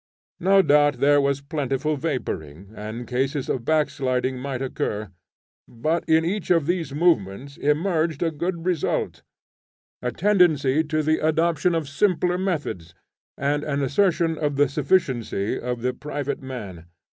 No doubt there was plentiful vaporing, and cases of backsliding might occur. But in each of these movements emerged a good result, a tendency to the adoption of simpler methods, and an assertion of the sufficiency of the private man.